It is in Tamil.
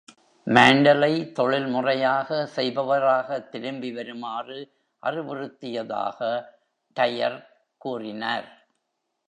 மாண்டலை தொழில்முறையாக செய்பவராக திரும்பி வருமாறு அறிவுறுத்தியதாக டையர் கூறினார்.